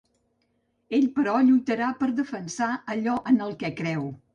Ell però lluitarà per defensar allò en el que creu.